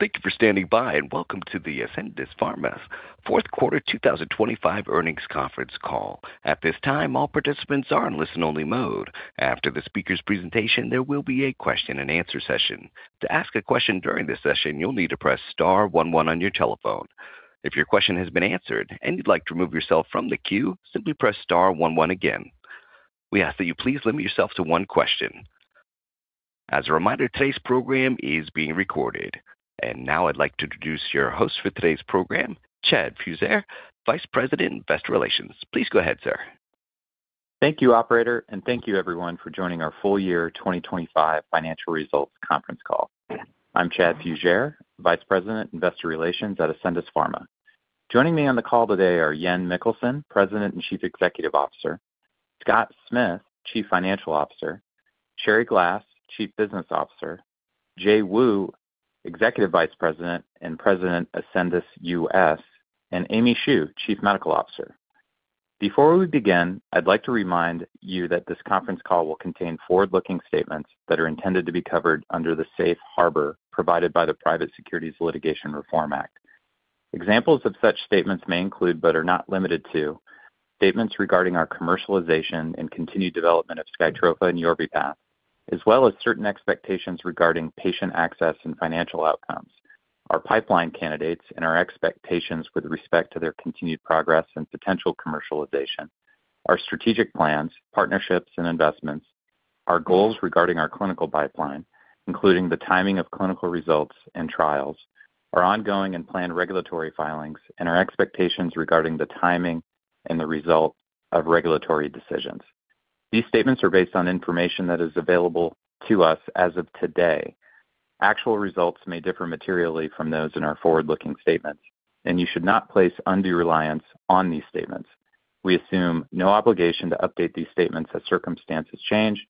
Thank you for standing by and welcome to Ascendis Pharma's fourth quarter 2025 earnings conference call. At this time, all participants are in listen-only mode. After the speaker's presentation, there will be a question-and-answer session. To ask a question during this session, you'll need to press star one one on your telephone. If your question has been answered and you'd like to remove yourself from the queue, simply press star one one again. We ask that you please limit yourself to one question. As a reminder, today's program is being recorded. Now I'd like to introduce your host for today's program, Chad Fugere, Vice President, Investor Relations. Please go ahead, sir. Thank you, operator, and thank you, everyone, for joining our full-year 2025 financial results conference call. I'm Chad Fugere, Vice President, Investor Relations at Ascendis Pharma. Joining me on the call today are Jan Møller Mikkelsen, President and Chief Executive Officer; Scott Smith, Chief Financial Officer; Sherrie Glass, Chief Business Officer; Jay Wu, Executive Vice President and President, Ascendis U.S.; and Aimee Shu, Chief Medical Officer. Before we begin, I'd like to remind you that this conference call will contain forward-looking statements that are intended to be covered under the safe harbor provided by the Private Securities Litigation Reform Act. Examples of such statements may include but are not limited to: statements regarding our commercialization and continued development of SKYTROFA and YORVIPATH, as well as certain expectations regarding patient access and financial outcomes, our pipeline candidates and our expectations with respect to their continued progress and potential commercialization, our strategic plans, partnerships, and investments, our goals regarding our clinical pipeline, including the timing of clinical results and trials, our ongoing and planned regulatory filings, and our expectations regarding the timing and the result of regulatory decisions. These statements are based on information that is available to us as of today. Actual results may differ materially from those in our forward-looking statements, and you should not place undue reliance on these statements. We assume no obligation to update these statements as circumstances change,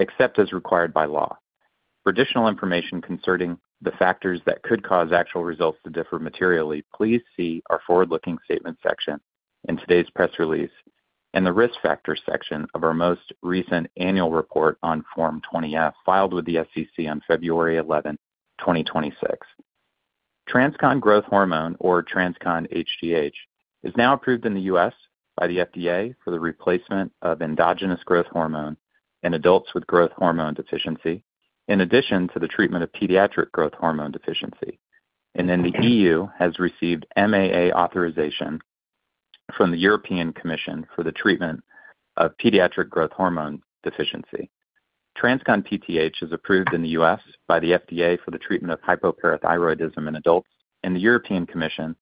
except as required by law. For additional information concerning the factors that could cause actual results to differ materially, please see our forward-looking statements section in today's press release and the risk factors section of our most recent annual report on Form 20-F filed with the SEC on February 11, 2026. TransCon Growth Hormone, or TransCon hGH, is now approved in the U.S. by the FDA for the replacement of endogenous growth hormone in adults with growth hormone deficiency, in addition to the treatment of pediatric growth hormone deficiency. And then the E.U. has received MAA authorization from the European Commission for the treatment of pediatric growth hormone deficiency. TransCon PTH is approved in the U.S. by the FDA for the treatment of hypoparathyroidism in adults, and the European Commission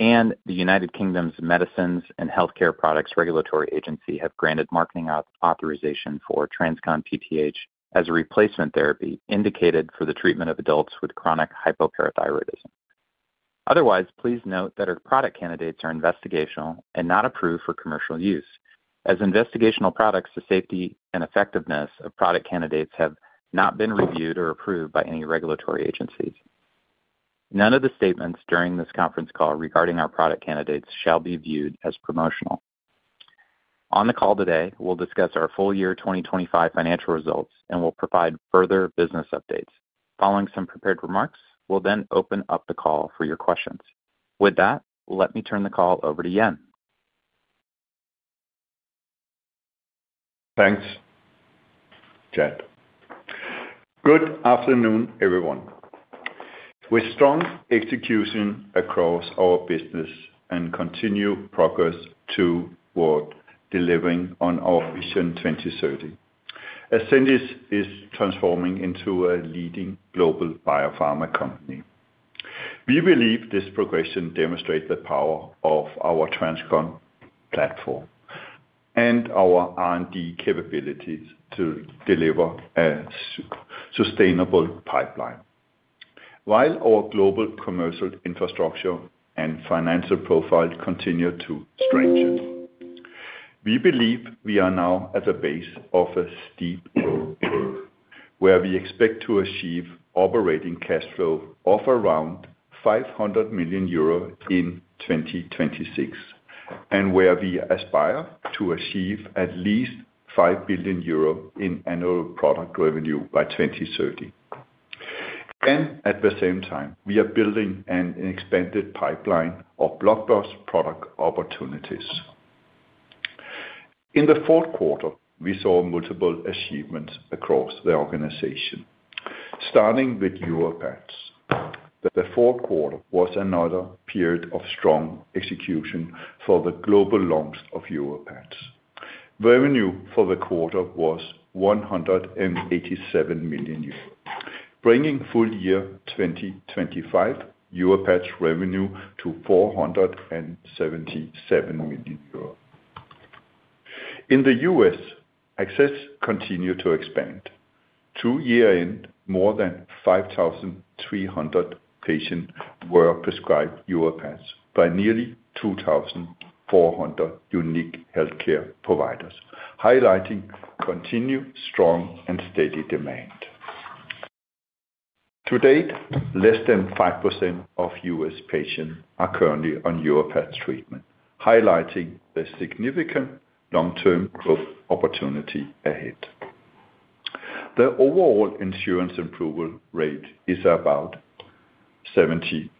and the United Kingdom's Medicines and Healthcare products Regulatory Agency have granted marketing authorization for TransCon PTH as a replacement therapy indicated for the treatment of adults with chronic hypoparathyroidism. Otherwise, please note that our product candidates are investigational and not approved for commercial use. As investigational products, the safety and effectiveness of product candidates have not been reviewed or approved by any regulatory agencies. None of the statements during this conference call regarding our product candidates shall be viewed as promotional. On the call today, we'll discuss our full-year 2025 financial results and we'll provide further business updates. Following some prepared remarks, we'll then open up the call for your questions. With that, let me turn the call over to Jan. Thanks, Chad. Good afternoon, everyone. We're strong execution across our business and continue progress toward delivering on our Vision 2030. Ascendis is transforming into a leading global biopharma company. We believe this progression demonstrates the power of our TransCon platform and our R&D capabilities to deliver a sustainable pipeline while our global commercial infrastructure and financial profile continue to strengthen. We believe we are now at the base of a steep curve where we expect to achieve operating cash flow of around 500 million euro in 2026 and where we aspire to achieve at least 5 billion euro in annual product revenue by 2030. And at the same time, we are building an expanded pipeline of blockbuster product opportunities. In the fourth quarter, we saw multiple achievements across the organization, starting with YORVIPATH. The fourth quarter was another period of strong execution for the global launch of YORVIPATH. Revenue for the quarter was 187 million euros, bringing full-year 2025 YORVIPATH revenue to 477 million euro. In the U.S., access continued to expand. At year-end, more than 5,300 patients were prescribed YORVIPATH by nearly 2,400 unique healthcare providers, highlighting continued strong and steady demand. To date, less than 5% of U.S. patients are currently on YORVIPATH treatment, highlighting a significant long-term growth opportunity ahead. The overall insurance approval rate is about 70%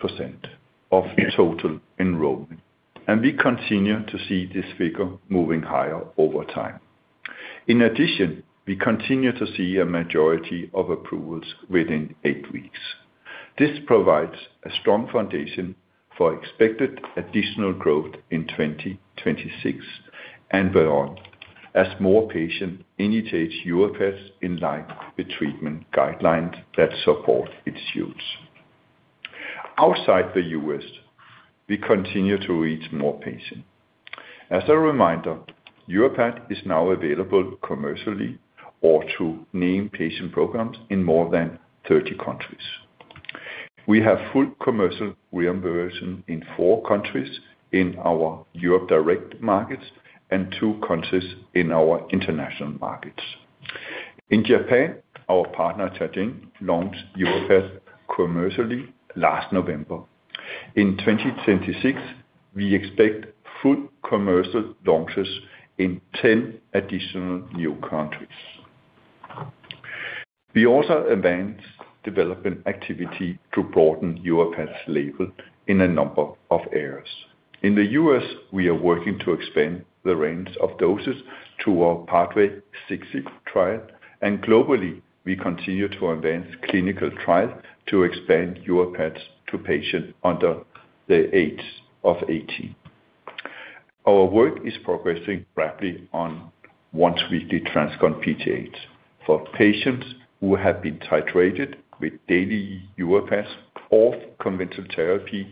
of total enrollment, and we continue to see this figure moving higher over time. In addition, we continue to see a majority of approvals within eight weeks. This provides a strong foundation for expected additional growth in 2026 and beyond as more patients initiate YORVIPATH in line with treatment guidelines that support its use. Outside the U.S., we continue to reach more patients. As a reminder, YORVIPATH is now available commercially or to named patient programs in more than 30 countries. We have full commercial reimbursement in four countries in our Europe Direct markets and two countries in our international markets. In Japan, our partner Teijin launched YORVIPATH commercially last November. In 2026, we expect full commercial launches in 10 additional new countries. We also advanced development activity to broaden YORVIPATH label in a number of areas. In the U.S., we are working to expand the range of doses to our PaTHway trial, and globally, we continue to advance clinical trials to expand YORVIPATH to patients under the age of 18. Our work is progressing rapidly on once-weekly TransCon PTH for patients who have been titrated with daily YORVIPATH or conventional therapy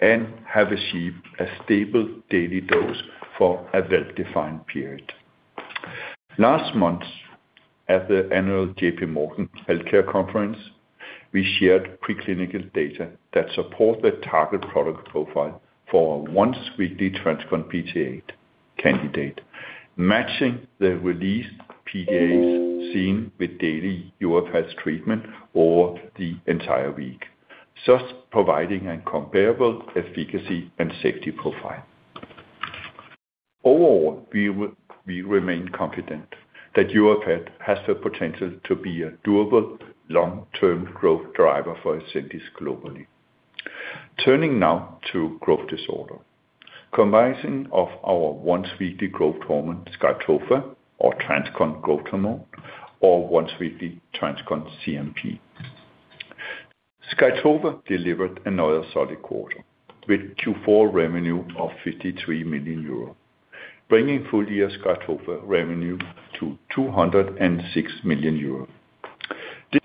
and have achieved a stable daily dose for a well-defined period. Last month, at the annual J.P. Morgan Healthcare Conference, we shared preclinical data that support the target product profile for a once-weekly TransCon PTH candidate, matching the released PTH seen with daily YORVIPATH treatment over the entire week, thus providing a comparable efficacy and safety profile. Overall, we remain confident that YORVIPATH has the potential to be a durable long-term growth driver for Ascendis globally. Turning now to growth disorder: combination of our once-weekly growth hormone SKYTROFA or TransCon Growth Hormone or once-weekly TransCon CNP. SKYTROFA delivered another solid quarter with Q4 revenue of 53 million euro, bringing full-year SKYTROFA revenue to 206 million euro.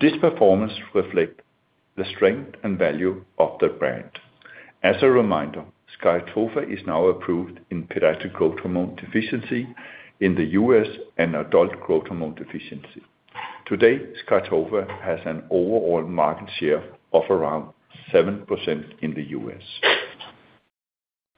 This performance reflects the strength and value of the brand. As a reminder, SKYTROFA is now approved in pediatric growth hormone deficiency in the U.S. and adult growth hormone deficiency. Today, SKYTROFA has an overall market share of around 7% in the U.S.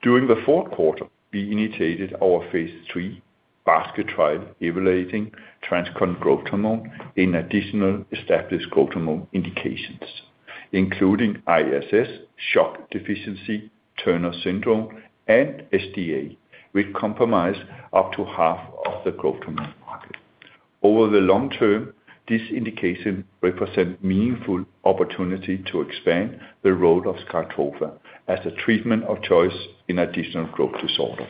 During the fourth quarter, we initiated our phase III basket trial evaluating TransCon Growth Hormone in additional established growth hormone indications, including ISS, SHOX deficiency, Turner syndrome, and SGA, which comprised up to half of the growth hormone market. Over the long term, this indication represents a meaningful opportunity to expand the role of SKYTROFA as a treatment of choice in additional growth disorder.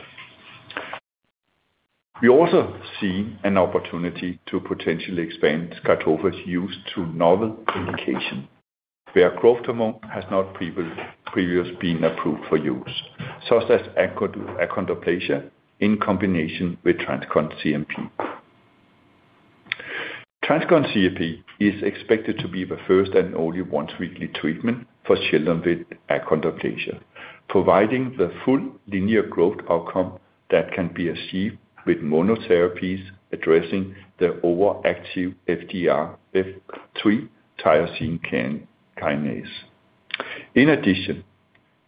We also see an opportunity to potentially expand SKYTROFA's use to novel indications where growth hormone has not previously been approved for use, such as achondroplasia in combination with TransCon CNP. TransCon CNP is expected to be the first and only once-weekly treatment for children with achondroplasia, providing the full linear growth outcome that can be achieved with monotherapies addressing the overactive FGFR3 tyrosine kinase. In addition,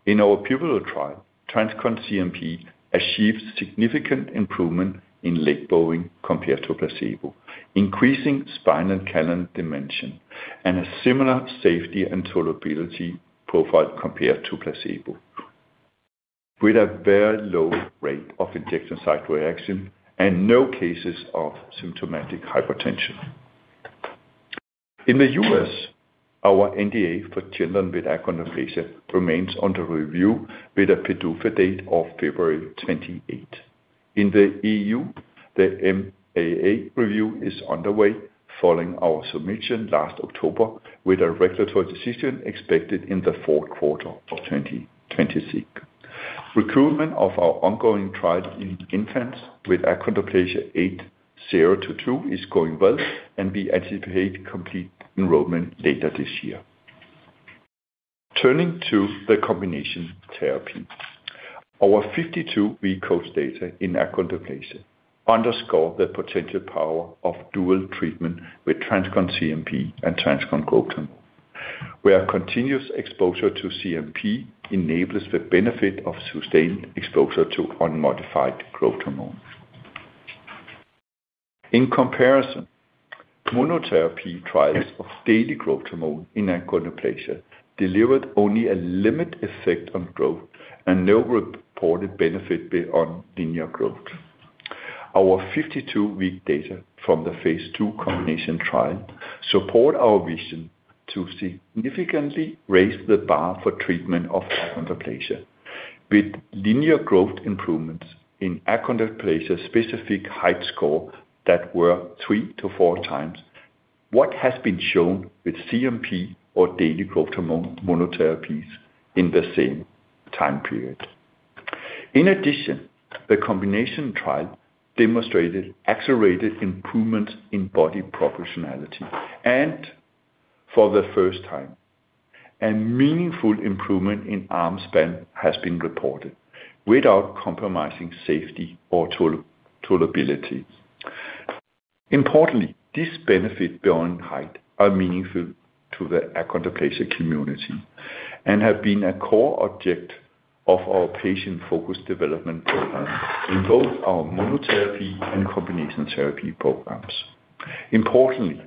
in our pivotal trial, TransCon CNP achieved significant improvement in leg bowing compared to placebo, increasing spinal canal dimension, and a similar safety and tolerability profile compared to placebo, with a very low rate of injection site reaction and no cases of symptomatic hypotension. In the U.S., our NDA for children with achondroplasia remains under review with a PDUFA date of February 28. In the EU, the MAA review is underway following our submission last October, with a regulatory decision expected in the fourth quarter of 2026. Recruitment of our ongoing trial in infants with achondroplasia aged 0 to two is going well, and we anticipate complete enrollment later this year. Turning to the combination therapy: our 52-week phase II data in achondroplasia underscore the potential power of dual treatment with TransCon CNP and TransCon Growth Hormone, where continuous exposure to CNP enables the benefit of sustained exposure to unmodified growth hormone. In comparison, monotherapy trials of daily growth hormone in achondroplasia delivered only a limited effect on growth and no reported benefit beyond linear growth. Our 52-week data from the phase II combination trial support our vision to significantly raise the bar for treatment of achondroplasia. With linear growth improvements in achondroplasia-specific height scores that were 3-4 times what has been shown with CNP or daily growth hormone monotherapies in the same time period? In addition, the combination trial demonstrated accelerated improvements in body proportionality and, for the first time, a meaningful improvement in arm span has been reported without compromising safety or tolerability. Importantly, these benefits beyond height are meaningful to the achondroplasia community and have been a core object of our patient-focused development programs in both our monotherapy and combination therapy programs. Importantly,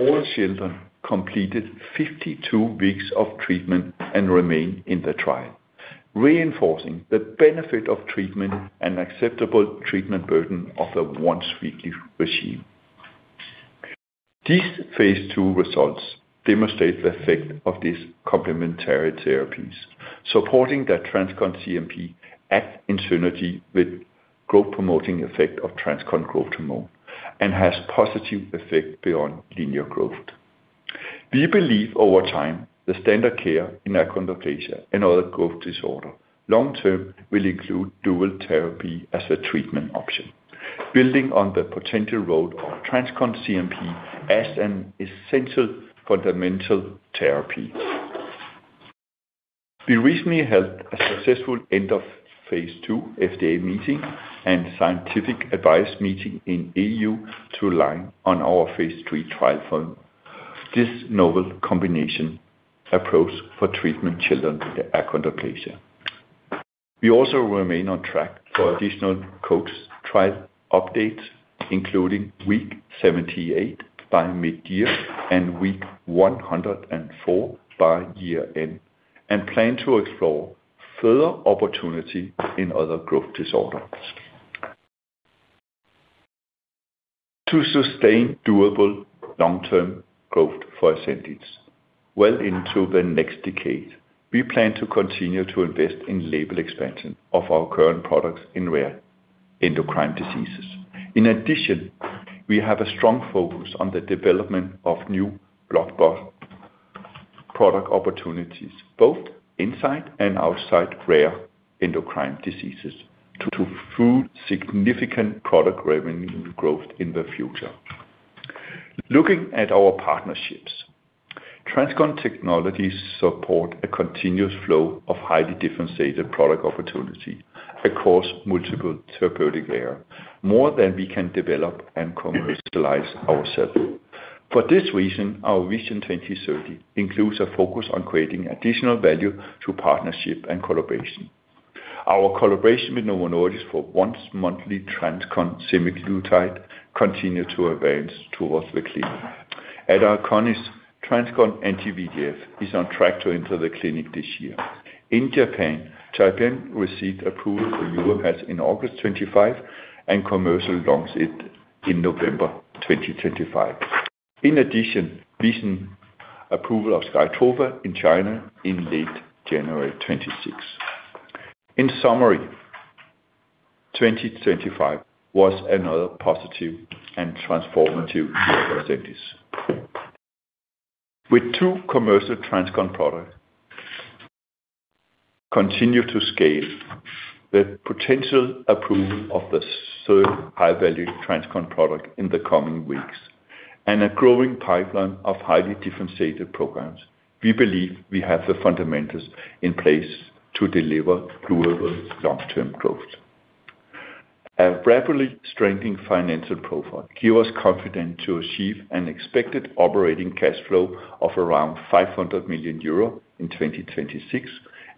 all children completed 52 weeks of treatment and remain in the trial, reinforcing the benefit of treatment and acceptable treatment burden of the once-weekly regimen. These phase II results demonstrate the effect of these complementary therapies, supporting that TransCon CNP act in synergy with the growth-promoting effect of TransCon Growth Hormone and has a positive effect beyond linear growth. We believe over time, the standard care in achondroplasia and other growth disorders long-term will include dual therapy as a treatment option, building on the potential role of TransCon CNP as an essential fundamental therapy. We recently held a successful end-of-phase II FDA meeting and scientific advice meeting in the EU to align on our phase III trial for this novel combination approach for treatment children with achondroplasia. We also remain on track for additional COACH trial updates, including week 78 by mid-year and week 104 by year-end, and plan to explore further opportunities in other growth disorders. To sustain durable long-term growth for Ascendis well into the next decade, we plan to continue to invest in label expansion of our current products in rare endocrine diseases. In addition, we have a strong focus on the development of new blockbuster product opportunities, both inside and outside rare endocrine diseases, to fuel significant product revenue growth in the future. Looking at our partnerships, TransCon technology supports a continuous flow of highly differentiated product opportunities across multiple therapeutic areas, more than we can develop and commercialize ourselves. For this reason, our Vision 2030 includes a focus on creating additional value through partnership and collaboration. Our collaboration with Novo Nordisk for once-monthly TransCon semaglutide continues to advance towards the clinic. Ascendis TransCon anti-VEGF is on track to enter the clinic this year. In Japan, Teijin received approval for YORVIPATH in August 2025 and commercially launched it in November 2025. In addition, VISEN's approval of SKYTROFA in China in late January 2026. In summary, 2025 was another positive and transformative year for Ascendis. With two commercial TransCon products continuing to scale, the potential approval of the third high-value TransCon product in the coming weeks, and a growing pipeline of highly differentiated programs, we believe we have the fundamentals in place to deliver durable long-term growth. A rapidly strengthening financial profile gives us confidence to achieve an expected operating cash flow of around 500 million euro in 2026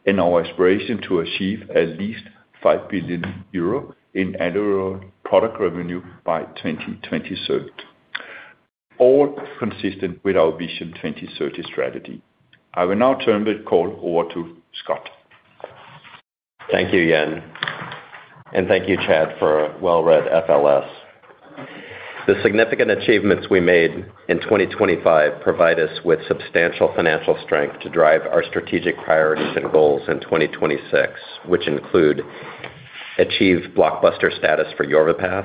and our aspiration to achieve at least 5 billion euro in annual product revenue by 2030, all consistent with our Vision 2030 strategy. I will now turn the call over to Scott. Thank you, Jan. And thank you, Chad, for a well-read FLS. The significant achievements we made in 2025 provide us with substantial financial strength to drive our strategic priorities and goals in 2026, which include achieving blockbuster status for YORVIPATH,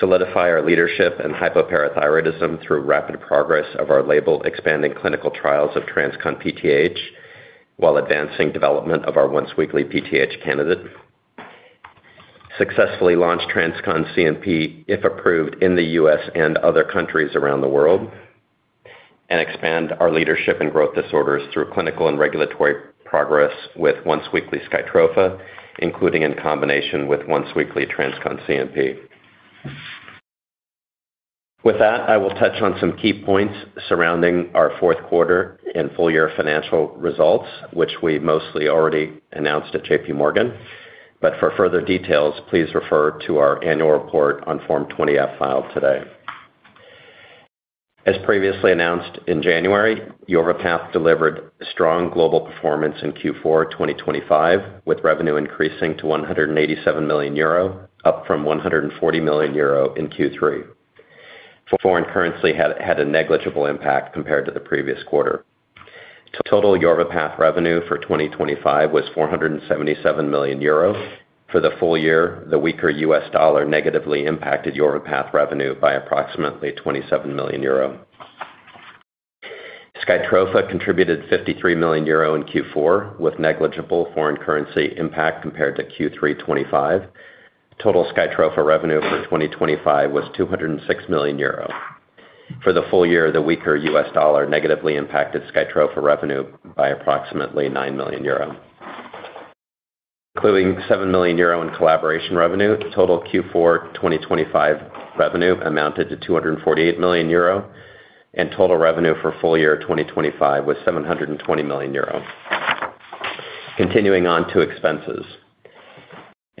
solidifying our leadership in hypoparathyroidism through rapid progress of our label-expanding clinical trials of TransCon PTH while advancing development of our once-weekly PTH candidate, successfully launching TransCon CNP if approved in the U.S. and other countries around the world, and expanding our leadership in growth disorders through clinical and regulatory progress with once-weekly SKYTROFA, including in combination with once-weekly TransCon CNP. With that, I will touch on some key points surrounding our fourth quarter and full-year financial results, which we mostly already announced at JP Morgan. But for further details, please refer to our annual report on Form 20-F filed today. As previously announced in January, YORVIPATH delivered strong global performance in Q4 2025, with revenue increasing to 187 million euro, up from 140 million euro in Q3. Foreign currency had a negligible impact compared to the previous quarter. Total YORVIPATH revenue for 2025 was 477 million euro. For the full year, the weaker U.S. dollar negatively impacted YORVIPATH revenue by approximately 27 million euro. SKYTROFA contributed 53 million euro in Q4, with negligible foreign currency impact compared to Q3 2025. Total SKYTROFA revenue for 2025 was 206 million euro. For the full year, the weaker U.S. dollar negatively impacted SKYTROFA revenue by approximately 9 million euro, including 7 million euro in collaboration revenue. Total Q4 2025 revenue amounted to 248 million euro, and total revenue for full year 2025 was 720 million euro. Continuing on to expenses.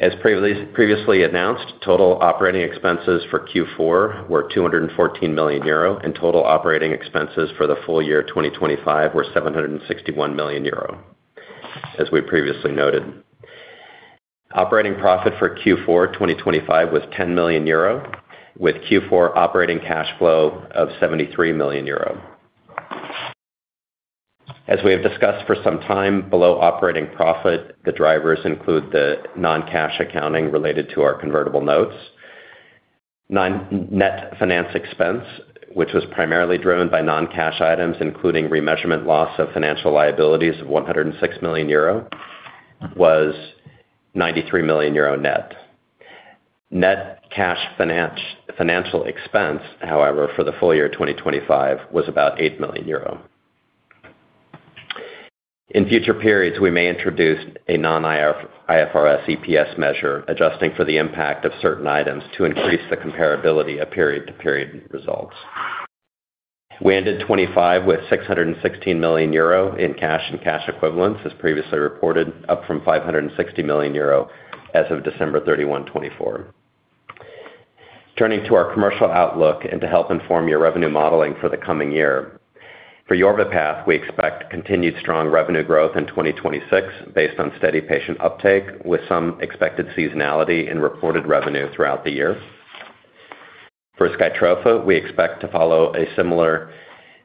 As previously announced, total operating expenses for Q4 were 214 million euro, and total operating expenses for the full year 2025 were 761 million euro, as we previously noted. Operating profit for Q4 2025 was 10 million euro, with Q4 operating cash flow of 73 million euro. As we have discussed for some time, below operating profit, the drivers include the non-cash accounting related to our convertible notes. Net finance expense, which was primarily driven by non-cash items, including remeasurement loss of financial liabilities of 106 million euro, was 93 million euro net. Net cash financial expense, however, for the full year 2025 was about 8 million euro. In future periods, we may introduce a non-IFRS EPS measure, adjusting for the impact of certain items to increase the comparability of period-to-period results. We ended 2025 with 616 million euro in cash and cash equivalents, as previously reported, up from 560 million euro as of December 31, 2024. Turning to our commercial outlook and to help inform your revenue modeling for the coming year, for YORVIPATH, we expect continued strong revenue growth in 2026 based on steady patient uptake, with some expected seasonality in reported revenue throughout the year. For SKYTROFA, we expect to follow a similar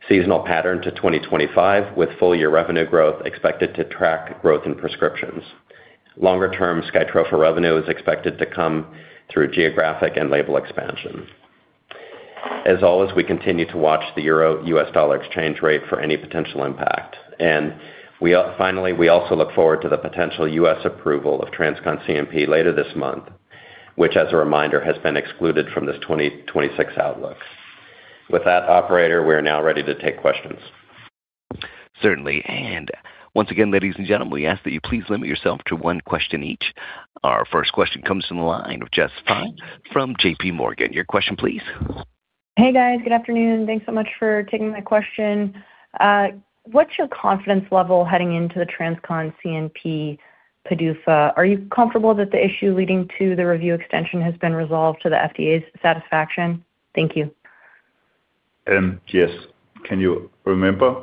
seasonal pattern to 2025, with full-year revenue growth expected to track growth in prescriptions. Longer-term, SKYTROFA revenue is expected to come through geographic and label expansion. As always, we continue to watch the euro/U.S. dollar exchange rate for any potential impact. And finally, we also look forward to the potential U.S. approval of TransCon CNP later this month, which, as a reminder, has been excluded from this 2026 outlook. With that, operator, we are now ready to take questions. Certainly. And once again, ladies and gentlemen, we ask that you please limit yourself to one question each. Our first question comes in line with Jess Fye from J.P. Morgan. Your question, please. Hey, guys. Good afternoon. Thanks so much for taking my question. What's your confidence level heading into the TransCon CNP PDUFA? Are you comfortable that the issue leading to the review extension has been resolved to the FDA's satisfaction? Thank you. Jess, can you remember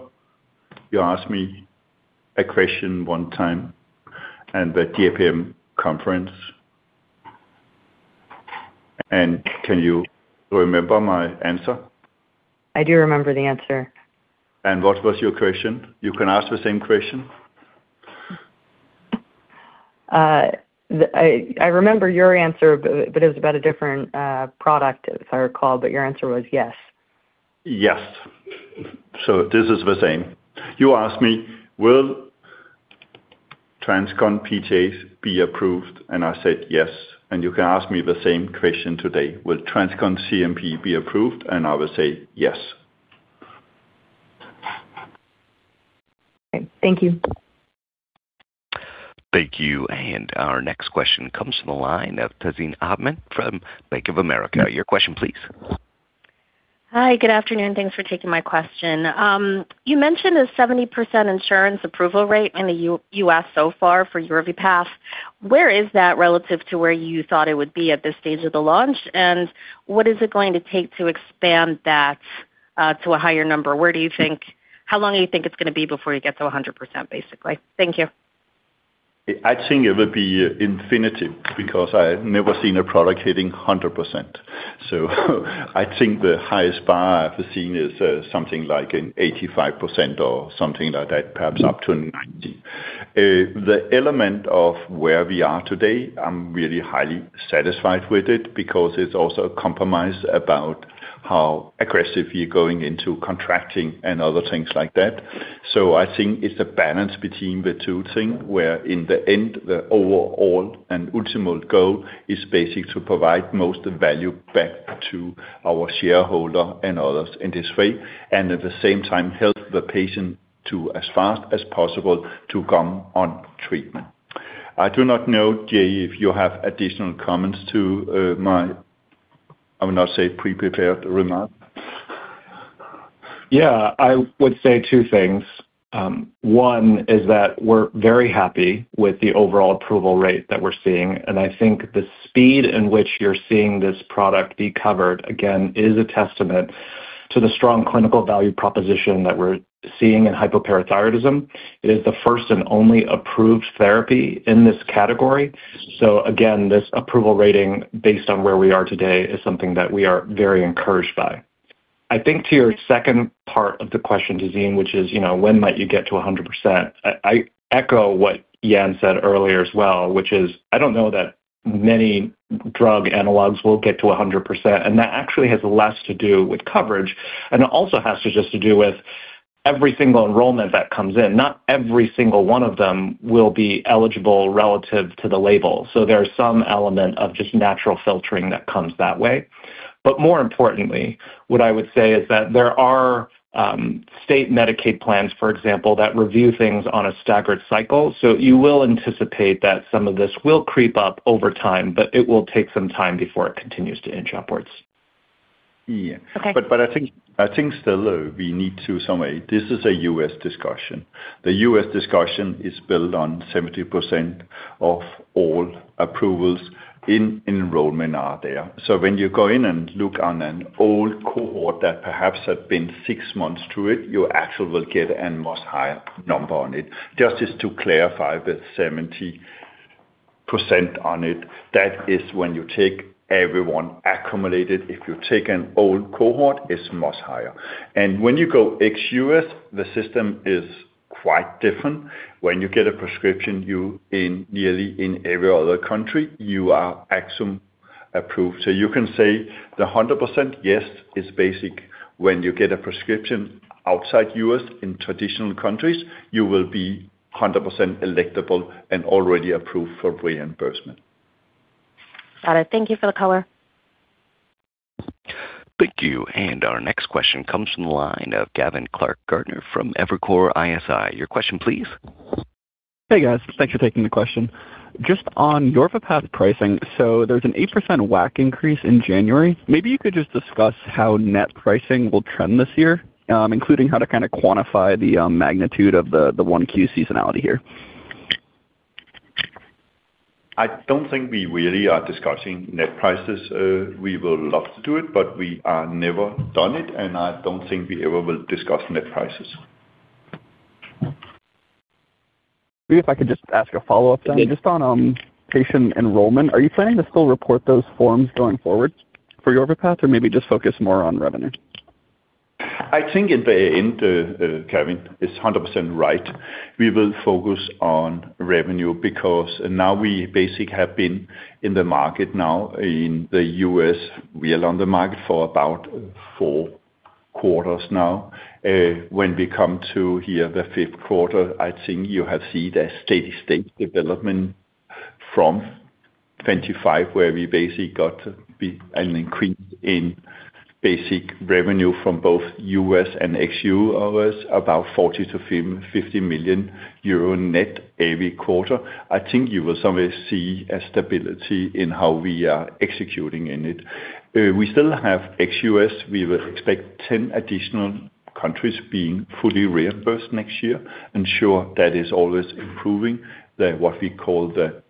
you asked me a question one time at the JPM conference? And can you remember my answer? I do remember the answer. And what was your question? You can ask the same question. I remember your answer, but it was about a different product, if I recall. But your answer was yes. Yes. So this is the same. You asked me, "Will TransCon PTH be approved?" And I said yes. And you can ask me the same question today. "Will TransCon CNP be approved?" And I will say yes. Thank you. Thank you. And our next question comes from the line of Tazeen Ahmad from Bank of America. Your question, please. Hi. Good afternoon. Thanks for taking my question. You mentioned a 70% insurance approval rate in the U.S. so far for YORVIPATH. Where is that relative to where you thought it would be at this stage of the launch? And what is it going to take to expand that to a higher number? How long do you think it's going to be before you get to 100%, basically? Thank you. I think it will be infinity because I have never seen a product hitting 100%. So I think the highest bar I've seen is something like an 85% or something like that, perhaps up to 90%. The element of where we are today, I'm really highly satisfied with it because it's also a compromise about how aggressive we are going into contracting and other things like that. So I think it's a balance between the two things, where in the end, the overall and ultimate goal is basically to provide most value back to our shareholder and others in this way, and at the same time help the patient to, as fast as possible, come on treatment. I do not know, Jay, if you have additional comments to my, I will not say, pre-prepared remarks. Yeah. I would say two things. One is that we're very happy with the overall approval rate that we're seeing. And I think the speed in which you're seeing this product be covered, again, is a testament to the strong clinical value proposition that we're seeing in hypoparathyroidism. It is the first and only approved therapy in this category. So again, this approval rating based on where we are today is something that we are very encouraged by. I think to your second part of the question, Tazeen, which is, "When might you get to 100%?" I echo what Jan said earlier as well, which is, "I don't know that many drug analogs will get to 100%." And that actually has less to do with coverage and also has just to do with every single enrollment that comes in. Not every single one of them will be eligible relative to the label. So there's some element of just natural filtering that comes that way. But more importantly, what I would say is that there are state Medicaid plans, for example, that review things on a staggered cycle. So you will anticipate that some of this will creep up over time, but it will take some time before it continues to inch upwards. Yeah. But I think still, though, we need to somehow this is a U.S. discussion. The U.S. discussion is built on 70% of all approvals in enrollment are there. So when you go in` and look on an old cohort that perhaps had been six months through it, you actually will get a much higher number on it. Just to clarify, with 70% on it, that is when you take everyone accumulated. If you take an old cohort, it's much higher. And when you go ex-U.S., the system is quite different. When you get a prescription nearly in every other country, you are automatically approved. So you can say the 100%, yes, is basic. When you get a prescription outside U.S. in traditional countries, you will be 100% eligible and already approved for reimbursement. Got it. Thank you for the color. Thank you. And our next question comes from the line of Gavin Clark-Gartner from Evercore ISI. Your question, please. Hey, guys. Thanks for taking the question. Just on YORVIPATH pricing, so there's an 8% WAC increase in January. Maybe you could just discuss how net pricing will trend this year, including how to kind of quantify the magnitude of the 1Q seasonality here. I don't think we really are discussing net prices. We would love to do it, but we have never done it. And I don't think we ever will discuss net prices. Maybe if I could just ask a follow-up then. Just on patient enrollment, are you planning to still report those forms going forward for YORVIPATH, or maybe just focus more on revenue? I think in the end, Gavin, it's 100% right. We will focus on revenue because now we basically have been in the market now. In the U.S., we are on the market for about four quarters now. When we come to here the fifth quarter, I think you have seen a steady state development from 2025, where we basically got an increase in basic revenue from both U.S. and ex-U.S.., about 40 million-50 million euro net every quarter. I think you will somewhere see a stability in how we are executing in it. We still have ex-U.S. We will expect 10 additional countries being fully reimbursed next year. Ensure that is always improving what we call the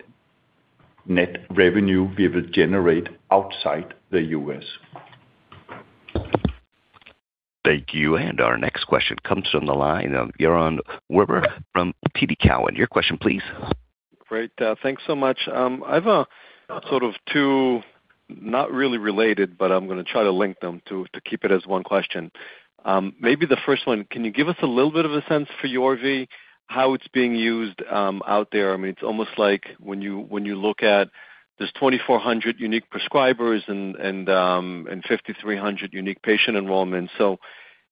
net revenue we will generate outside the U.S. Thank you. And our next question comes from the line of Yaron Werber from TD Cowen. Your question, please. Great. Thanks so much. I have sort of two not really related, but I'm going to try to link them to keep it as one question. Maybe the first one, can you give us a little bit of a sense for YORVIPATH, how it's being used out there? I mean, it's almost like when you look at there's 2,400 unique prescribers and 5,300 unique patient enrollments. So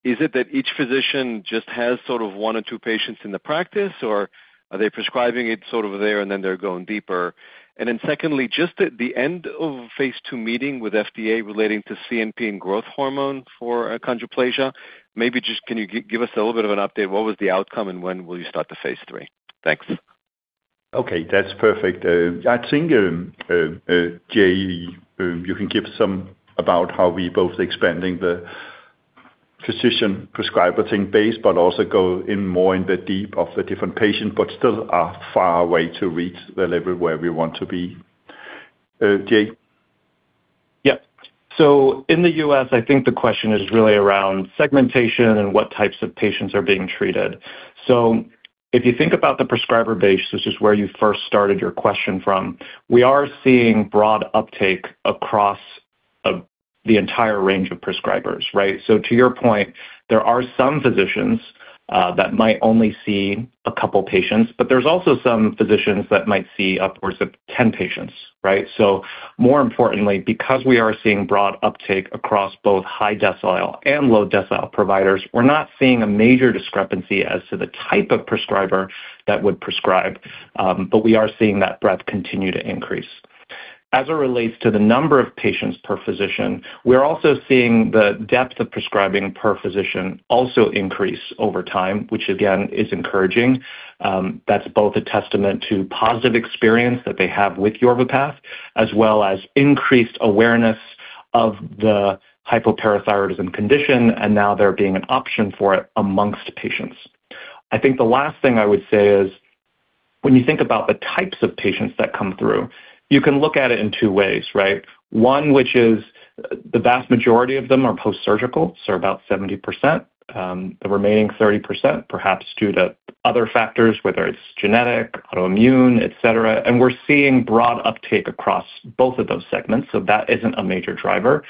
is it that each physician just has sort of one or two patients in the practice, or are they prescribing it sort of there, and then they're going deeper? And then secondly, just at the end of phase II meeting with FDA relating to CNP and growth hormone for achondroplasia, maybe just can you give us a little bit of an update? What was the outcome, and when will you start the phase III? Thanks. Okay. That's perfect. I think, Jay, you can give some about how we're both expanding the physician prescriber base, but also go more in the deep of the different patients, but still are far away to reach the level where we want to be. Jay? Yeah. So in the U.S., I think the question is really around segmentation and what types of patients are being treated. So if you think about the prescriber base, which is where you first started your question from, we are seeing broad uptake across the entire range of prescribers, right? So to your point, there are some physicians that might only see a couple of patients, but there's also some physicians that might see upwards of 10 patients, right? So more importantly, because we are seeing broad uptake across both high-decile and low-decile providers, we're not seeing a major discrepancy as to the type of prescriber that would prescribe. But we are seeing that breadth continue to increase. As it relates to the number of patients per physician, we're also seeing the depth of prescribing per physician also increase over time, which, again, is encouraging. That's both a testament to positive experience that they have with YORVIPATH, as well as increased awareness of the hypoparathyroidism condition, and now there being an option for it amongst patients. I think the last thing I would say is when you think about the types of patients that come through, you can look at it in two ways, right? One, which is the vast majority of them are post-surgical. So about 70%. The remaining 30%, perhaps due to other factors, whether it's genetic, autoimmune, etc. We're seeing broad uptake across both of those segments. So that isn't a major driver.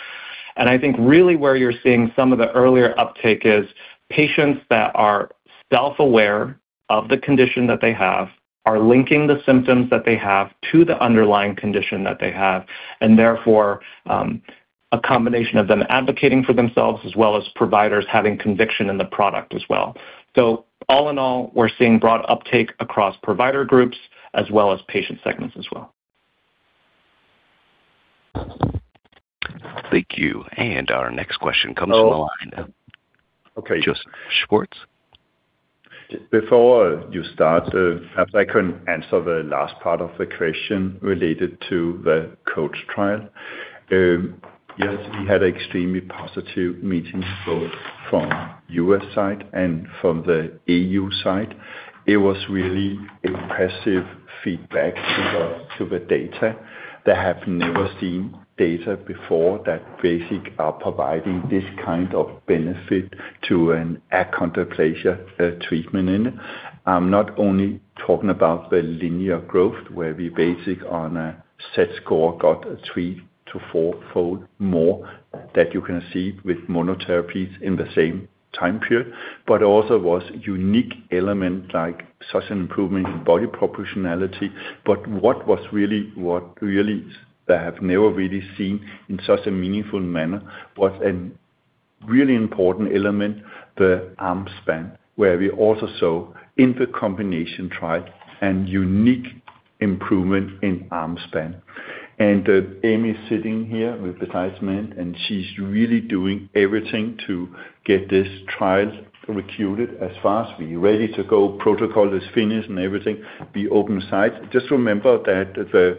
I think really where you're seeing some of the earlier uptake is patients that are self-aware of the condition that they have, are linking the symptoms that they have to the underlying condition that they have, and therefore a combination of them advocating for themselves, as well as providers having conviction in the product as well. So all in all, we're seeing broad uptake across provider groups, as well as patient segments as well. Thank you. Our next question comes from the line of Joseph Schwartz. Before you start, perhaps I can answer the last part of the question related to the COACH Trial. Yes, we had extremely positive meetings both from U.S. side and from the E.U. side. It was really impressive feedback to the data. They have never seen data before that basically are providing this kind of benefit to an achondroplasia treatment in it. I'm not only talking about the linear growth, where we basically on a Z-score got a 3-4-fold more than you can see with monotherapies in the same time period, but also was a unique element like such an improvement in body proportionality. But what was really what really they have never really seen in such a meaningful manner was a really important element, the arm span, where we also saw in the combination trial a unique improvement in arm span. And Aimee is sitting here beside me, and she's really doing everything to get this trial recruited as fast. We're ready to go. Protocol is finished and everything. We open sites. Just remember that our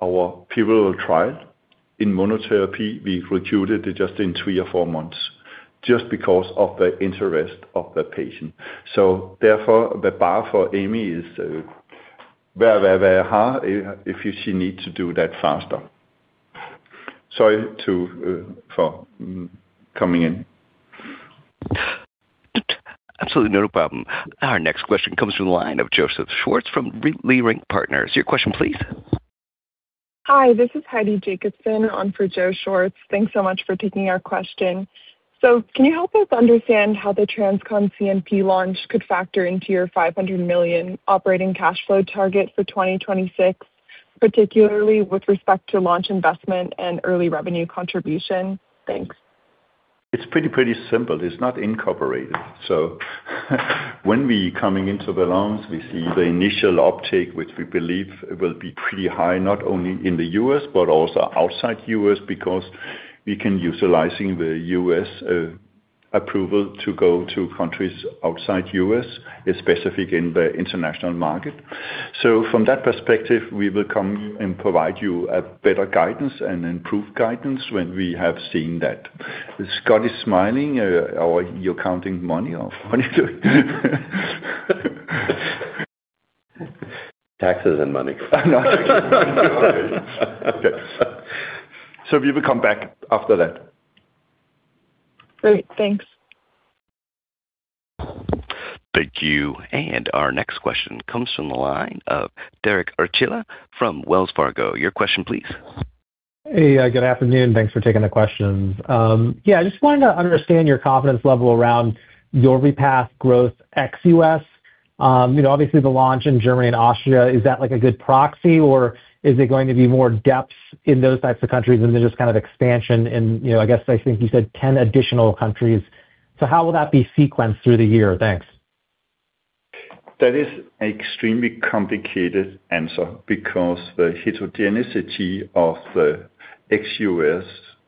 pivotal trial in monotherapy, we recruited it just in three or four months just because of the interest of the patient. So therefore, the bar for Amy is very, very, very high if she needs to do that faster. Sorry for coming in. Absolutely no problem. Our next question comes from the line of Joseph Schwartz from Leerink Partners. Your question, please. Hi. This is Heidi Jacobson on for Joe Schwartz. Thanks so much for taking our question. So can you help us understand how the TransCon CNP launch could factor into your 500 million operating cash flow target for 2026, particularly with respect to launch investment and early revenue contribution? Thanks. It's pretty, pretty simple. It's not incorporated. So when we're coming into the launch, we see the initial uptake, which we believe will be pretty high not only in the U.S. but also outside U.S. because we can utilize the U.S. approval to go to countries outside U.S., specifically in the international market. So from that perspective, we will come and provide you better guidance and improved guidance when we have seen that. Scott is smiling. You're counting money or what are you doing? Taxes and money. Okay. Okay. So we will come back after that. All right. Thanks. Thank you. And our next question comes from the line of Derek Archila from Wells Fargo. Your question, please. Hey. Good afternoon. Thanks for taking the questions. Yeah. I just wanted to understand your confidence level around YORVIPATH growth ex-U.S. Obviously, the launch in Germany and Austria, is that a good proxy, or is it going to be more depth in those types of countries than just kind of expansion in, I guess, I think you said 10 additional countries? So how will that be sequenced through the year? Thanks. That is an extremely complicated answer because the heterogeneity of the ex-U.S.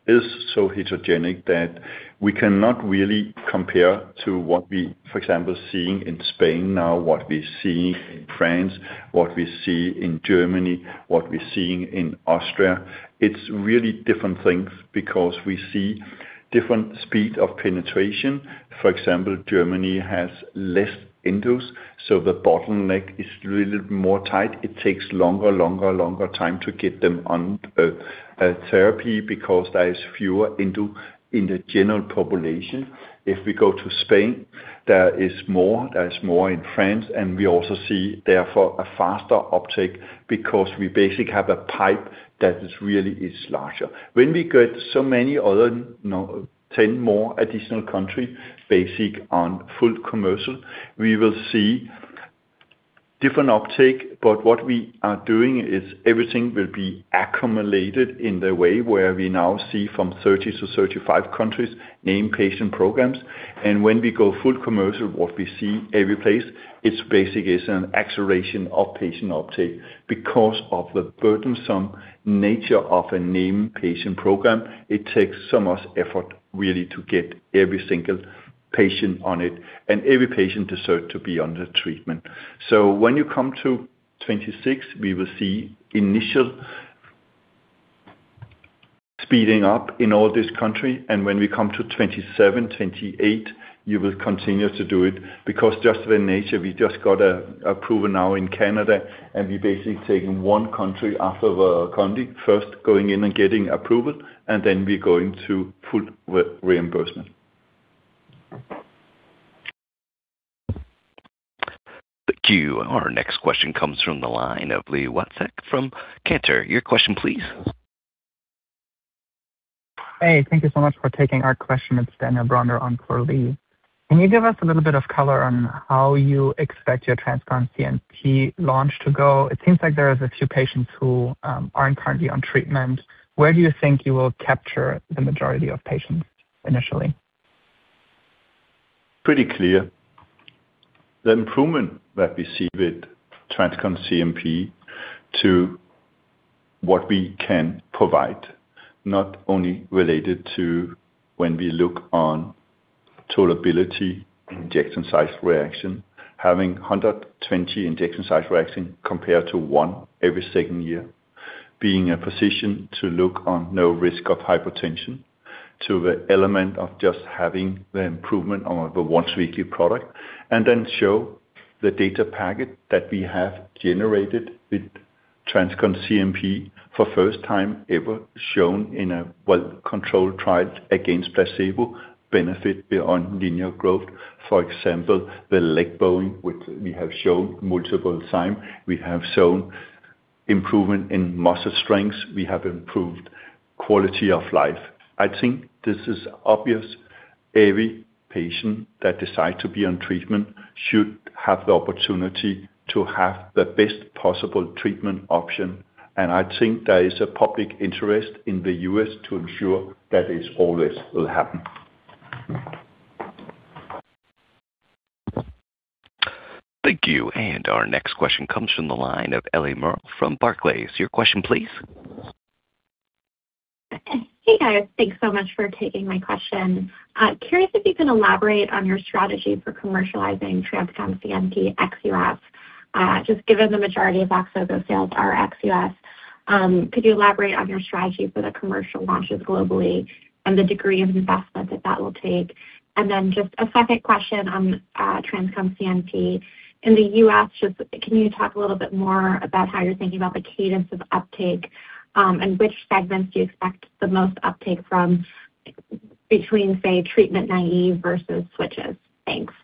is so heterogeneous that we cannot really compare to what we, for example, are seeing in Spain now, what we're seeing in France, what we see in Germany, what we're seeing in Austria. It's really different things because we see different speed of penetration. For example, Germany has less endos, so the bottleneck is a little bit more tight. It takes longer, longer, longer time to get them on therapy because there is fewer endos in the general population. If we go to Spain, there is more. There is more in France. We also see, therefore, a faster uptake because we basically have a pipe that really is larger. When we get so many other 10 more additional countries basically on full commercial, we will see different uptake. But what we are doing is everything will be accumulated in the way where we now see from 30-35 countries named patient programs. And when we go full commercial, what we see every place, it basically is an acceleration of patient uptake because of the burdensome nature of a named patient program. It takes so much effort, really, to get every single patient on it and every patient deserves to be under treatment. So when you come to 2026, we will see initial speeding up in all this country. When we come to 2027, 2028, you will continue to do it because just the nature, we just got approval now in Canada, and we're basically taking one country after the country, first going in and getting approval, and then we're going to full reimbursement. Thank you. Our next question comes from the line of Li Watsek from Cantor Fitzgerald. Your question, please. Hey. Thank you so much for taking our question. It's Daniel Brander on for Li. Can you give us a little bit of color on how you expect your TransCon CNP launch to go? It seems like there are a few patients who aren't currently on treatment. Where do you think you will capture the majority of patients initially? Pretty clear. The improvement that we see with TransCon CNP to what we can provide, not only related to when we look on total annual injection site reactions, having 120 injection site reactions compared to one every second year, being in a position to look on no risk of hypotension to the element of just having the improvement of the once-weekly product, and then show the data package that we have generated with TransCon CNP for first time ever shown in a well-controlled trial against placebo benefit beyond linear growth. For example, the leg bowing, which we have shown multiple times. We have shown improvement in muscle strength. We have improved quality of life. I think this is obvious. Every patient that decides to be on treatment should have the opportunity to have the best possible treatment option. I think there is a public interest in the U.S. to ensure that this always will happen. Thank you. Our next question comes from the line of Ellie Merle from Barclays. Your question, please. Hey, guys. Thanks so much for taking my question. Curious if you can elaborate on your strategy for commercializing TransCon CNP ex-U.S., just given the majority of VOXZOGO sales are ex-U.S. Could you elaborate on your strategy for the commercial launches globally and the degree of investment that that will take? Then just a second question on TransCon CNP. In the U.S., can you talk a little bit more about how you're thinking about the cadence of uptake and which segments do you expect the most uptake from between, say, treatment naive versus switches? Thanks.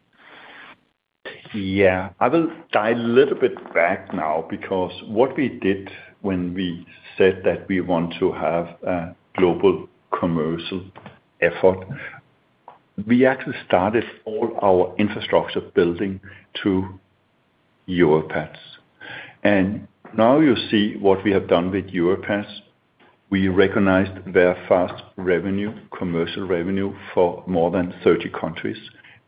Yeah. I will tie a little bit back now because what we did when we said that we want to have a global commercial effort, we actually started all our infrastructure building through YORVIPATH. And now you see what we have done with YORVIPATH. We recognized their fast revenue, commercial revenue for more than 30 countries.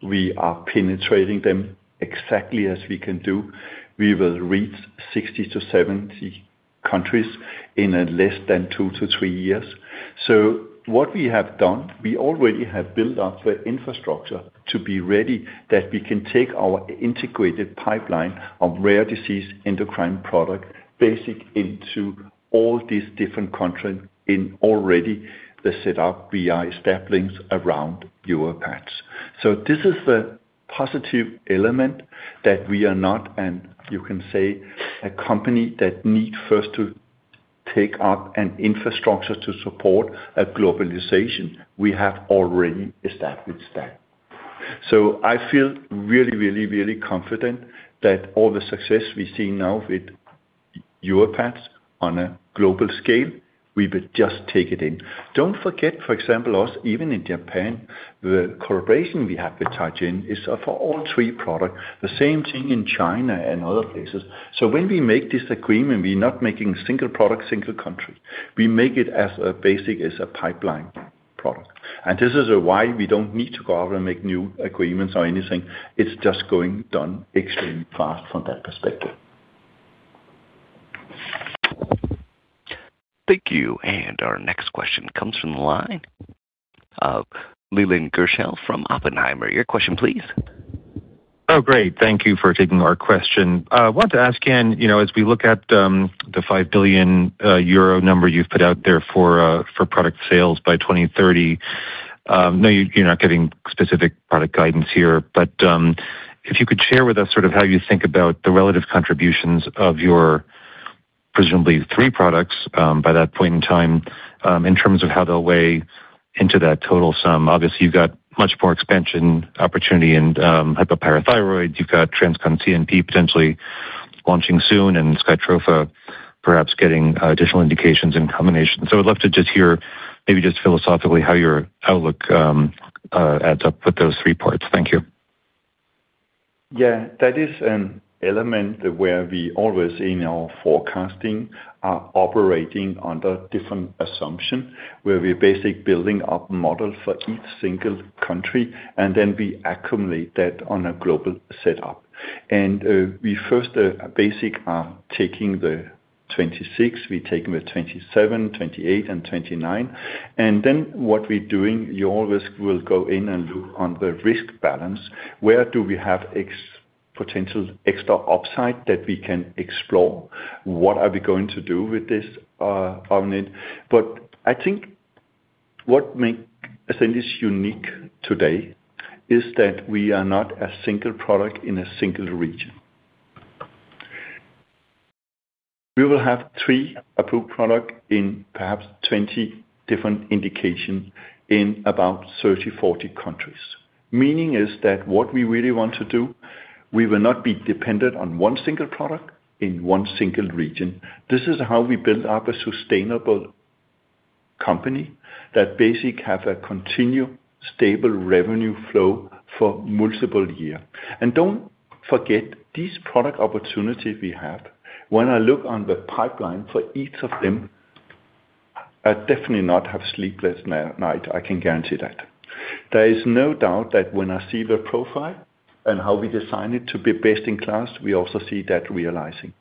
We are penetrating them exactly as we can do. We will reach 60-70 countries in less than two to three years. So what we have done, we already have built up the infrastructure to be ready that we can take our integrated pipeline of rare disease endocrine product basically into all these different countries in already the setup via establishments around YORVIPATH. So this is the positive element that we are not, and you can say, a company that needs first to take up an infrastructure to support a globalization. We have already established that. So I feel really, really, really confident that all the success we see now with YORVIPATH on a global scale, we will just take it in. Don't forget, for example, us even in Japan, the collaboration we have with Teijin is for all three products, the same thing in China and other places. So when we make this agreement, we're not making a single product, single country. We make it as basic as a pipeline product. And this is why we don't need to go out and make new agreements or anything. It's just getting done extremely fast from that perspective. Thank you. And our next question comes from the line of Leland Gershell from Oppenheimer. Your question, please. Oh, great. Thank you for taking our question. I wanted to ask, Jan, as we look at the 5 billion euro number you've put out there for product sales by 2030, I know you're not giving specific product guidance here, but if you could share with us sort of how you think about the relative contributions of your presumably three products by that point in time in terms of how they'll weigh into that total sum. Obviously, you've got much more expansion opportunity in hypoparathyroidism. You've got TransCon CNP potentially launching soon and SKYTROFA, perhaps getting additional indications and combinations. So I would love to just hear maybe just philosophically how your outlook adds up with those three parts. Thank you. Yeah. That is an element where we always in our forecasting are operating under different assumptions, where we're basically building up a model for each single country, and then we accumulate that on a global setup. We first basically are taking the 2026. We're taking the 2027, 2028, and 2029. Then what we're doing, our R&D will go in and look at the R&D balance. Where do we have potential extra upside that we can explore? What are we going to do with this on it? But I think what makes Ascendis unique today is that we are not a single product in a single region. We will have three approved products in perhaps 20 different indications in about 30-40 countries. Meaning is that what we really want to do, we will not be dependent on one single product in one single region. This is how we build up a sustainable company that basically has a continuous, stable revenue flow for multiple years. Don't forget, these product opportunities we have. When I look on the pipeline for each of them, I definitely not have sleepless nights. I can guarantee that. There is no doubt that when I see the profile and how we design it to be best in class, we also see that realizing.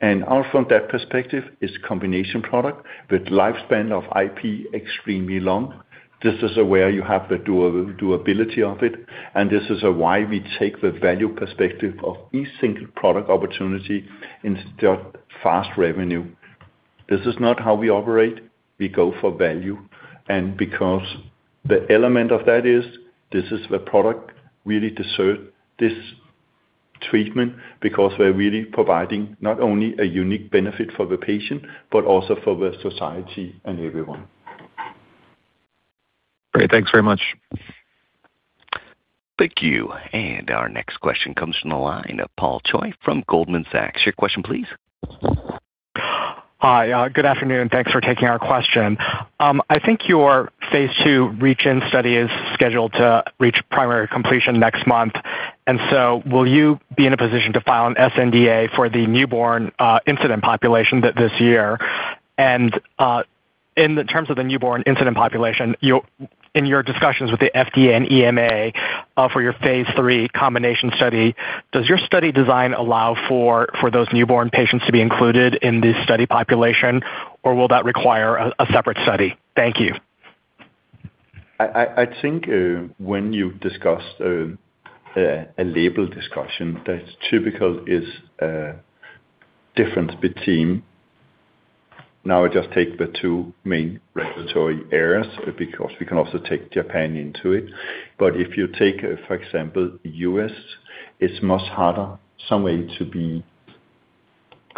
From that perspective, it's a combination product with a lifespan of IP extremely long. This is where you have the durability of it. And this is why we take the value perspective of each single product opportunity instead of fast revenue. This is not how we operate. We go for value. And because the element of that is, this is the product really deserves this treatment because we're really providing not only a unique benefit for the patient but also for the society and everyone. Great. Thanks very much. Thank you. Our next question comes from the line of Paul Choi from Goldman Sachs. Your question, please. Hi. Good afternoon. Thanks for taking our question. I think your phase II run-in study is scheduled to reach primary completion next month. And so will you be in a position to file an SNDA for the newborn incident population this year? And in terms of the newborn incident population, in your discussions with the FDA and EMA for your phase II combination study, does your study design allow for those newborn patients to be included in the study population, or will that require a separate study? Thank you. I think when you discuss a label discussion, the typical is difference between. Now, I just take the two main regulatory areas because we can also take Japan into it. If you take, for example, the U.S., it's much harder some way to be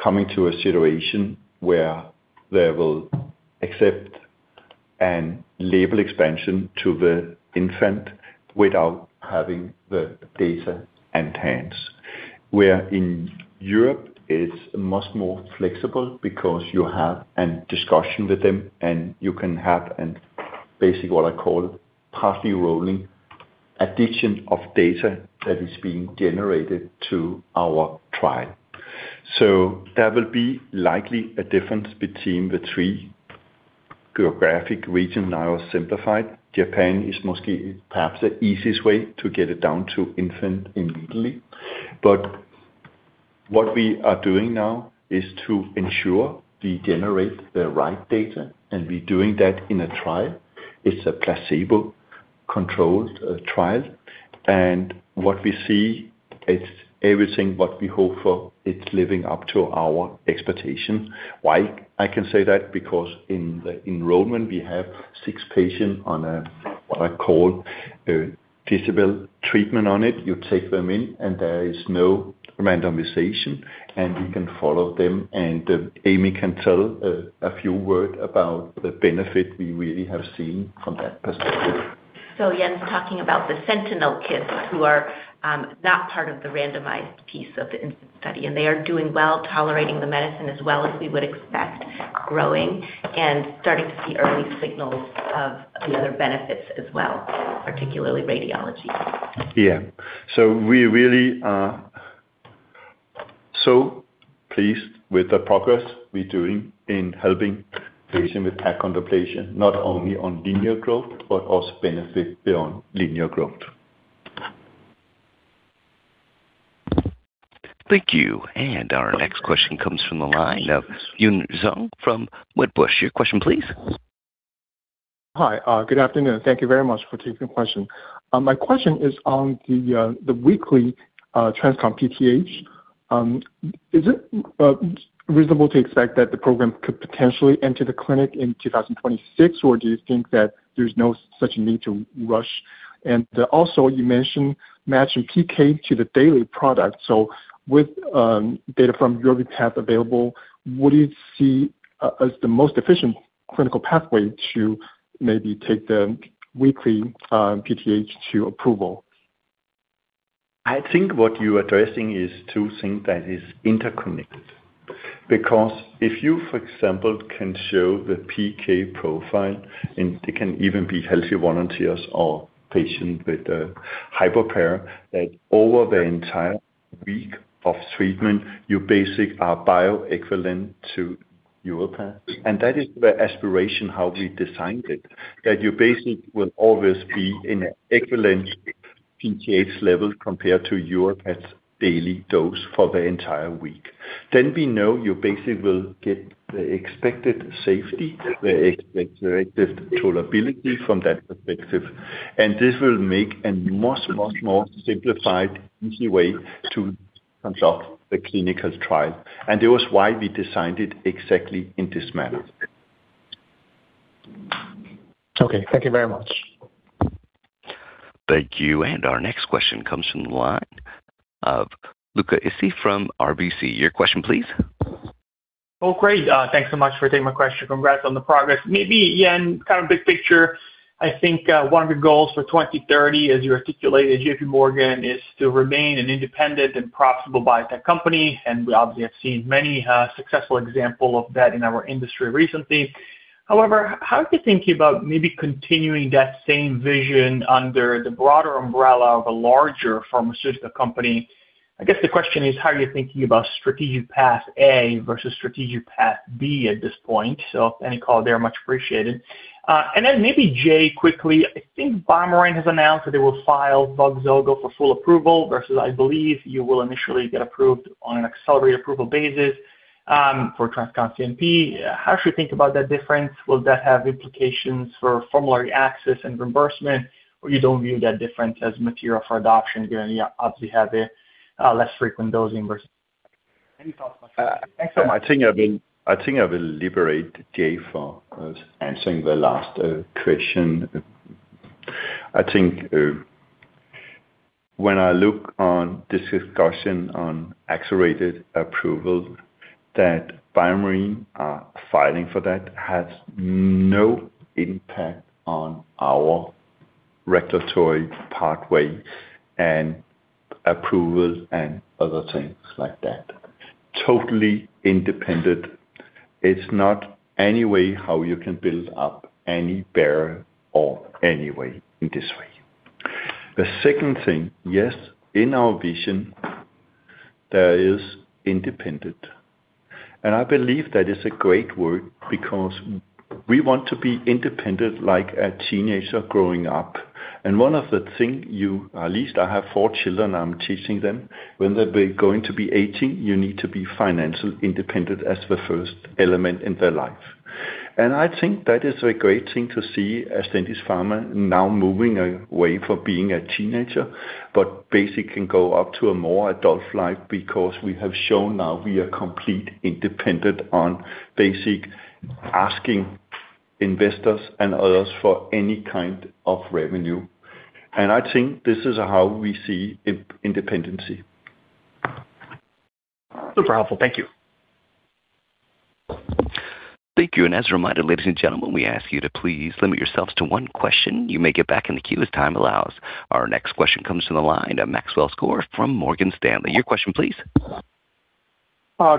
coming to a situation where they will accept a label expansion to the infant without having the data in hand. Where in Europe, it's much more flexible because you have a discussion with them, and you can have basically what I call partly rolling addition of data that is being generated to our trial. There will be likely a difference between the three geographic regions. Now, I've simplified. Japan is perhaps the easiest way to get it down to infant immediately. What we are doing now is to ensure we generate the right data. We're doing that in a trial. It's a placebo-controlled trial. What we see, it's everything what we hope for; it's living up to our expectation. Why I can say that? Because in enrollment, we have six patients on what I call visible treatment on it. You take them in, and there is no randomization. We can follow them. And Aimee can tell a few words about the benefit we really have seen from that perspective. So Jan's talking about the Sentinel kids who are not part of the randomized piece of the InPed study. They are doing well, tolerating the medicine as well as we would expect, growing and starting to see early signals of the other benefits as well, particularly radiology. Yeah. We're really so pleased with the progress we're doing in helping patients with achondroplasia, not only on linear growth but also benefit beyond linear growth. Thank you. Our next question comes from the line of Yun Zhong from Wedbush. Your question, please. Hi. Good afternoon. Thank you very much for taking the question. My question is on the weekly TransCon PTH. Is it reasonable to expect that the program could potentially enter the clinic in 2026, or do you think that there's no such need to rush? And also, you mentioned matching PK to the daily product. So with data from YORVIPATH available, what do you see as the most efficient clinical pathway to maybe take the weekly PTH to approval? I think what you're addressing is two things that are interconnected. Because if you, for example, can show the PK profile, and they can even be healthy volunteers or patients with hypopara, that over the entire week of treatment, you basically are bioequivalent to YORVIPATH. And that is the aspiration, how we designed it, that you basically will always be in equivalent PTH level compared to YORVIPATH's daily dose for the entire week. Then we know you basically will get the expected safety, the expected tolerability from that perspective. This will make a much, much more simplified, easy way to conduct the clinical trial. It was why we designed it exactly in this manner. Okay. Thank you very much. Thank you. And our next question comes from the line of Luca Issi from RBC. Your question, please. Oh, great. Thanks so much for taking my question. Congrats on the progress. Maybe, Jan, kind of big picture, I think one of your goals for 2030, as you articulated, JP Morgan, is to remain an independent and profitable biotech company. We obviously have seen many successful examples of that in our industry recently. However, how are you thinking about maybe continuing that same vision under the broader umbrella of a larger pharmaceutical company? I guess the question is, how are you thinking about strategic path A versus strategic path B at this point? So if any call there, much appreciated. And then maybe, Jay, quickly, I think BioMarin has announced that they will file VOXZOGO for full approval versus, I believe, you will initially get approved on an accelerated approval basis for TransCon CNP. How should you think about that difference? Will that have implications for formulary access and reimbursement, or you don't view that difference as material for adoption given you obviously have a less frequent dosing versus any thoughts about that? Thanks so much. I think I will liberate Jay for answering the last question. I think when I look on this discussion on accelerated approval, that BioMarin filing for that has no impact on our regulatory pathway and approval and other things like that, totally independent. It's not any way how you can build up any barrier or any way in this way. The second thing, yes, in our vision, there is independent. And I believe that is a great word because we want to be independent like a teenager growing up. And one of the things you at least I have four children. I'm teaching them. When they're going to be 18, you need to be financially independent as the first element in their life. And I think that is a great thing to see Ascendis Pharma now moving away from being a teenager but basically can go up to a more adult life because we have shown now we are completely independent on basically asking investors and others for any kind of revenue. And I think this is how we see independency. Super helpful. Thank you. Thank you. And as a reminder, ladies and gentlemen, we ask you to please limit yourselves to one question. You may get back in the queue as time allows. Our next question comes from the line of Maxwell Skor from Morgan Stanley. Your question, please.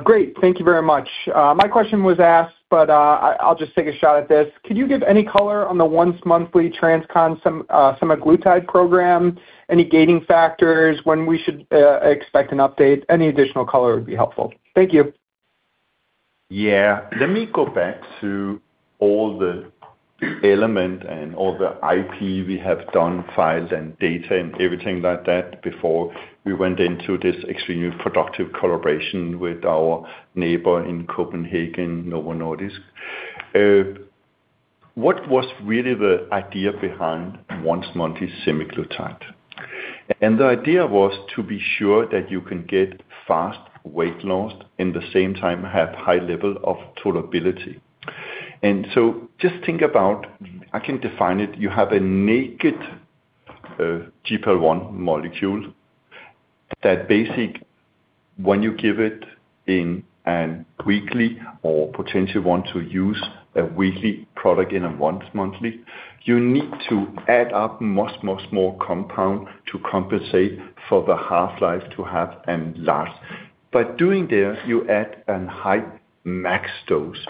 Great. Thank you very much. My question was asked, but I'll just take a shot at this. Could you give any color on the once-monthly TransCon semaglutide program, any gating factors, when we should expect an update? Any additional color would be helpful. Thank you. Yeah. Let me go back to all the elements and all the IP we have done, filed, and data, and everything like that before we went into this extremely productive collaboration with our neighbor in Copenhagen, Novo Nordisk. What was really the idea behind once-monthly semaglutide? The idea was to be sure that you can get fast weight loss and at the same time have a high level of tolerability. So just think about I can define it. You have a naked GLP-1 molecule that basically when you give it in a weekly or potentially want to use a weekly product in a once-monthly, you need to add up much, much more compound to compensate for the half-life to have a large. By doing there, you add a high max dose.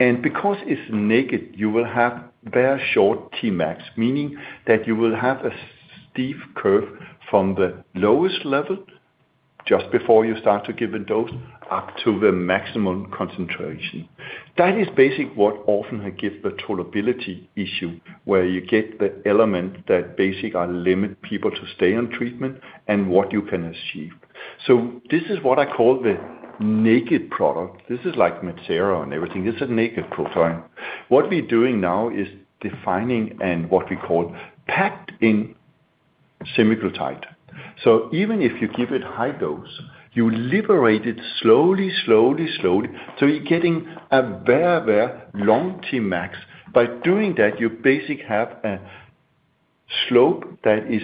And because it's naked, you will have very short Tmax, meaning that you will have a steep curve from the lowest level just before you start to give a dose up to the maximum concentration. That is basically what often gives the tolerability issue where you get the elements that basically limit people to stay on treatment and what you can achieve. So this is what I call the naked product. This is like Mounjaro and everything. This is a naked protein. What we're doing now is defining what we call packed-in semaglutide. So even if you give it a high dose, you liberate it slowly, slowly, slowly. So you're getting a very, very long Tmax. By doing that, you basically have a slope that is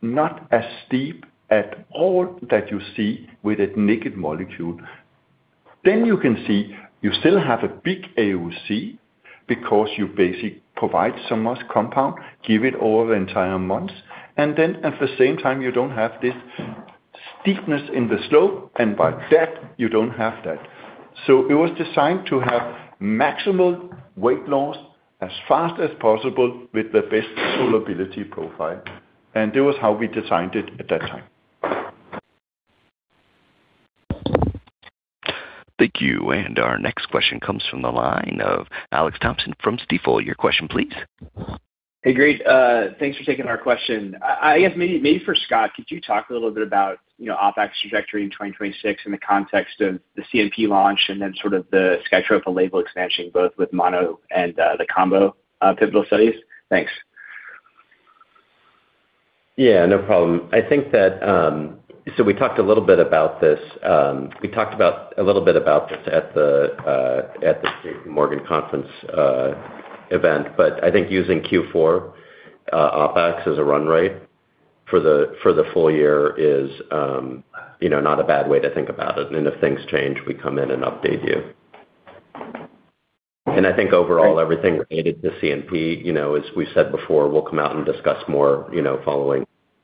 not as steep at all that you see with a naked molecule. Then you can see you still have a big AUC because you basically provide so much compound, give it over the entire months. And then at the same time, you don't have this steepness in the slope. And by that, you don't have that. So it was designed to have maximal weight loss as fast as possible with the best tolerability profile. And it was how we designed it at that time. Thank you. Our next question comes from the line of Alex Thompson from Stifel. Your question, please. Hey, great. Thanks for taking our question. I guess maybe for Scott, could you talk a little bit about OpEx trajectory in 2026 in the context of the CNP launch and then sort of the SKYTROFA and label expansion both with mono and the combo pivotal studies? Thanks. Yeah. No problem. I think that so we talked a little bit about this. We talked about a little bit about this at the JP Morgan conference event. But I think using Q4 OpEx as a run rate for the full year is not a bad way to think about it. And if things change, we come in and update you. And I think overall, everything related to CNP, as we've said before, we'll come out and discuss more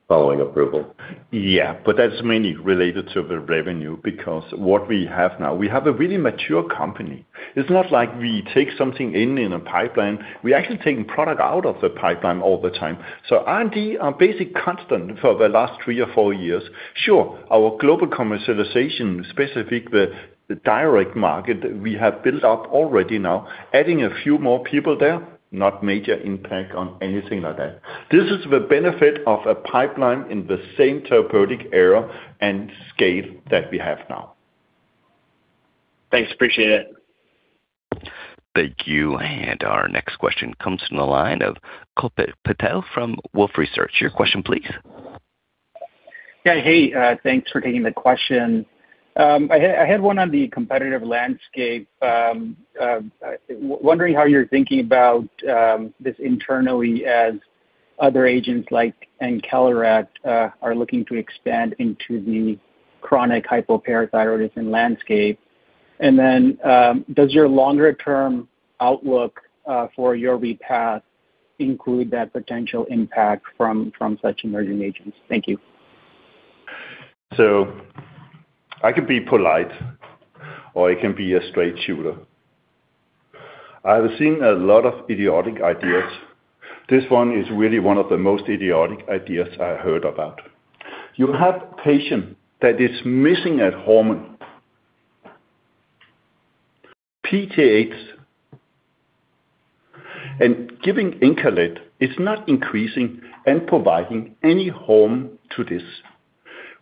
following approval. Yeah. But that's mainly related to the revenue because what we have now, we have a really mature company. It's not like we take something in in a pipeline. We're actually taking product out of the pipeline all the time. So R&D are basically constant for the last three or four years. Sure, our global commercialization, specifically the direct market, we have built up already now. Adding a few more people there, not major impact on anything like that. This is the benefit of a pipeline in the same therapeutic area and scale that we have now. Thanks. Appreciate it. Thank you. And our next question comes from the line of Kalpit Patel from Wolfe Research. Your question, please. Yeah. Hey. Thanks for taking the question. I had one on the competitive landscape, wondering how you're thinking about this internally as other agents like encaleret are looking to expand into the chronic hypoparathyroidism landscape. And then does your longer-term outlook for YORVIPATH include that potential impact from such emerging agents? Thank you. So I can be polite, or it can be a straight shooter. I have seen a lot of idiotic ideas. This one is really one of the most idiotic ideas I heard about. You have a patient that is missing a hormone, PTH, and giving encaleret, it's not increasing and providing any harm to this.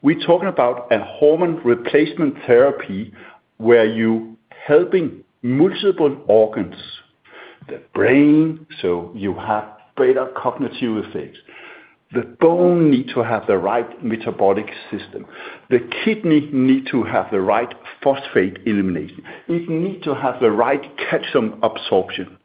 We're talking about a hormone replacement therapy where you're helping multiple organs, the brain, so you have better cognitive effects. The bone needs to have the right metabolic system. The kidney needs to have the right phosphate elimination. It needs to have the right calcium absorption.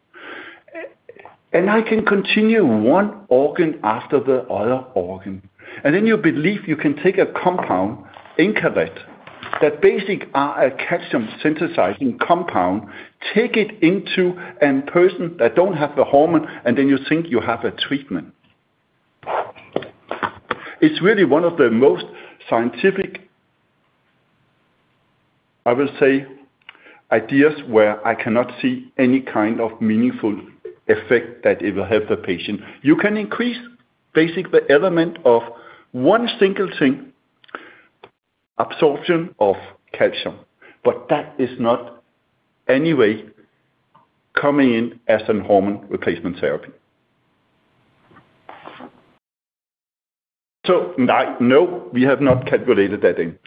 I can continue one organ after the other organ. And then you believe you can take a compound, encaleret, that basically is a calcium-synthesizing compound, take it into a person that doesn't have the hormone, and then you think you have a treatment. It's really one of the most scientific, I will say, ideas where I cannot see any kind of meaningful effect that it will have for the patient. You can increase basically the element of one single thing, absorption of calcium. But that is not anyway coming in as a hormone replacement therapy. So no, we have not calculated that in.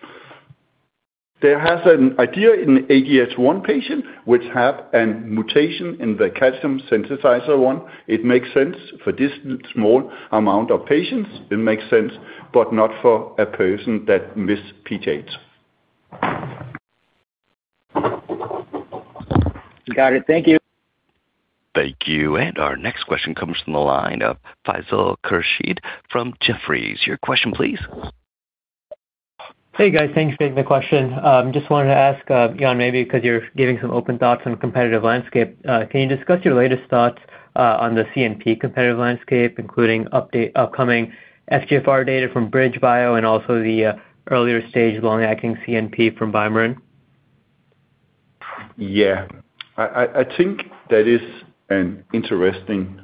There is an idea in ADH1 patients which have a mutation in the calcium-sensing receptor 1. It makes sense for this small amount of patients. It makes sense, but not for a person that misses PTH. Got it. Thank you. Thank you. Our next question comes from the line of Faisal Khurshid from Jefferies. Your question, please. Hey, guys. Thanks for taking the question. Just wanted to ask, Jan, maybe because you're giving some open thoughts on the competitive landscape, can you discuss your latest thoughts on the CNP competitive landscape, including upcoming FGFR data from BridgeBio and also the earlier-stage long-acting CNP from BioMarin? Yeah. I think that is an interesting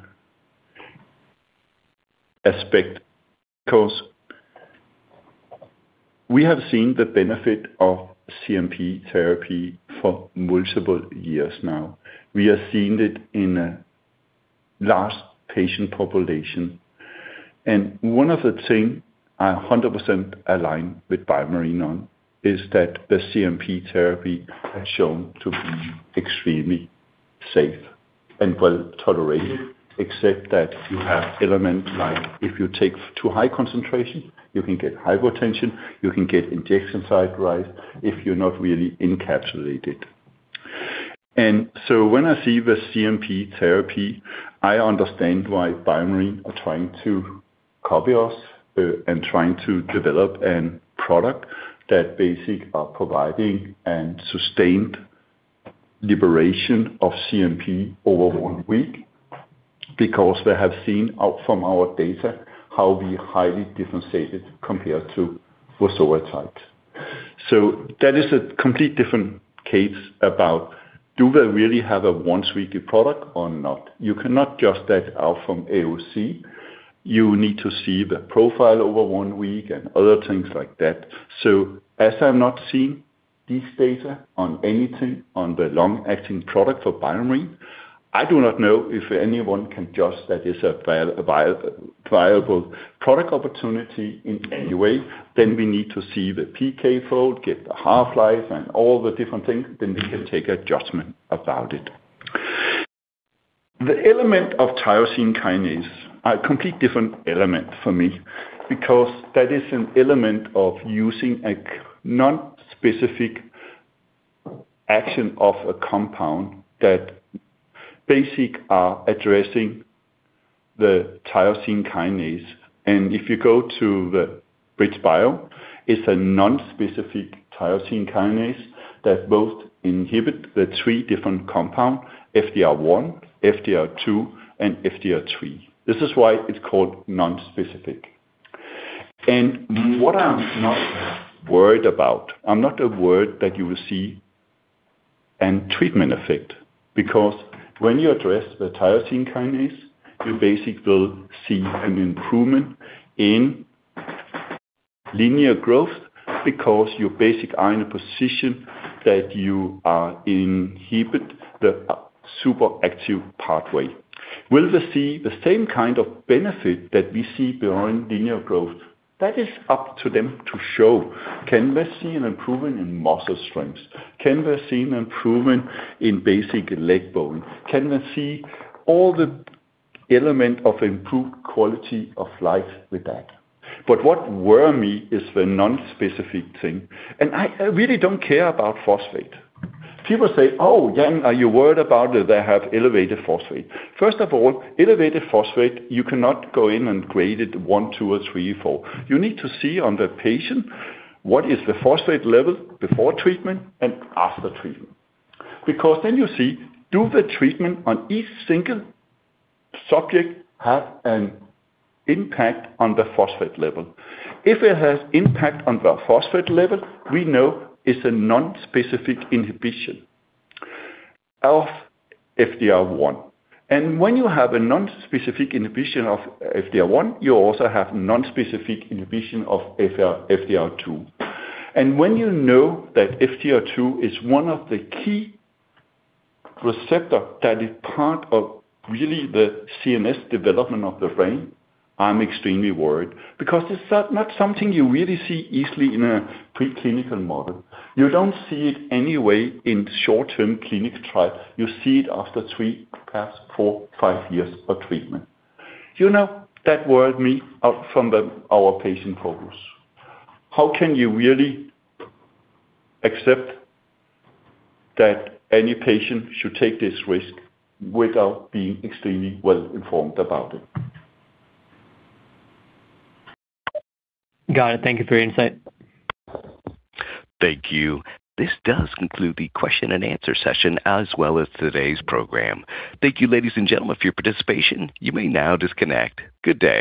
aspect because we have seen the benefit of CNP therapy for multiple years now. We have seen it in a large patient population. And one of the things I 100% align with BioMarin on is that the CNP therapy has shown to be extremely safe and well-tolerated, except that you have elements like if you take too high concentration, you can get hypotension. You can get injection site reactions if you're not really encapsulated. When I see the CNP therapy, I understand why BioMarin is trying to copy us and trying to develop a product that basically is providing a sustained liberation of CNP over one week because we have seen from our data how we're highly differentiated compared to VOXZOGO types. That is a completely different case about do we really have a once-weekly product or not. You cannot just take out from AUC. You need to see the profile over one week and other things like that. As I'm not seeing these data on anything on the long-acting product for BioMarin, I do not know if anyone can judge that it's a viable product opportunity in any way. Then we need to see the PK profile, get the half-life, and all the different things. Then we can take a judgment about it. The element of tyrosine kinase is a completely different element for me because that is an element of using a nonspecific action of a compound that basically is addressing the tyrosine kinase. If you go to BridgeBio, it's a nonspecific tyrosine kinase that both inhibits the three different compounds, FGFR1, FGFR2, and FGFR3. This is why it's called nonspecific. What I'm not worried about, I'm not worried that you will see a treatment effect because when you address the tyrosine kinase, you basically will see an improvement in linear growth because you basically are in a position that you inhibit the superactive pathway. Will they see the same kind of benefit that we see behind linear growth? That is up to them to show. Can they see an improvement in muscle strength? Can they see an improvement in basic leg bone? Can they see all the elements of improved quality of life with that? But what worries me is the nonspecific thing. And I really don't care about phosphate. People say, "Oh, Jan, are you worried about it? They have elevated phosphate." First of all, elevated phosphate, you cannot go in and grade it one, two, or three, or four. You need to see on the patient what is the phosphate level before treatment and after treatment because then you see do the treatment on each single subject have an impact on the phosphate level. If it has impact on the phosphate level, we know it's a nonspecific inhibition of FGFR1. And when you have a nonspecific inhibition of FGFR1, you also have nonspecific inhibition of FGFR2. When you know that FGFR3 is one of the key receptors that is part of really the CNS development of the brain, I'm extremely worried because it's not something you really see easily in a preclinical model. You don't see it anyway in short-term clinical trials. You see it after three, perhaps four, five years of treatment. That worries me out from our patient focus. How can you really accept that any patient should take this risk without being extremely well-informed about it? Got it. Thank you for your insight. Thank you. This does conclude the question-and-answer session as well as today's program. Thank you, ladies and gentlemen, for your participation. You may now disconnect. Good day.